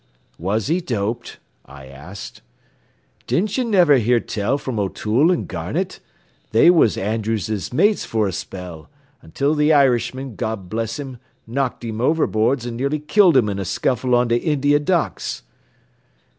"Was he doped?" I asked. "Didn't ye niver hear tell from O'Toole an' Garnett? They was Andrews's mates for a spell, until th' Irishman, God bless him, knocked him overboards an' nearly killed him in a scuffle on th' India Docks."